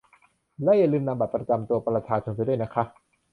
และอย่าลืมนำบัตรประจำตัวประชาชนไปด้วยนะคะ